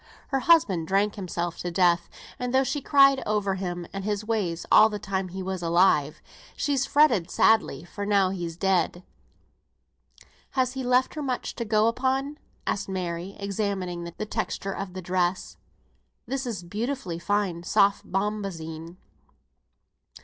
Her husband drank himself to death, and though she cried over him and his ways all the time he was alive, she's fretted sadly for him now he's dead." "Has he left her much to go upon?" asked Mary, examining the texture of the dress. "This is beautifully fine soft bombazine."